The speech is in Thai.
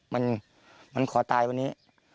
มันขอตายวันนี้